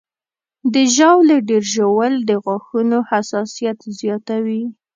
د ژاولې ډېر ژوول د غاښونو حساسیت زیاتوي.